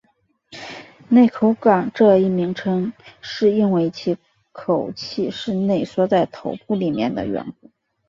内口纲这一名称是因为其口器是内缩在头部里面的缘故。